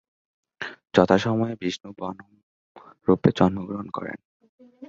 যথাসময়ে বিষ্ণু বামন রূপে জন্মগ্রহণ করেন।